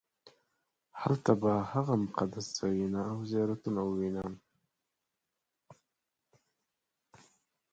هلته به هغه مقدس ځایونه او زیارتونه ووینم.